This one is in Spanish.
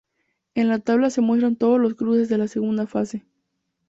En la tabla se muestran todos los cruces de la segunda fase.